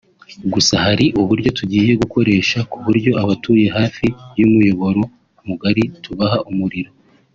Gusa hari uburyo tugiye gukoresha ku buryo abatuye hafi y’umuyoboro mugari tubaha umuriro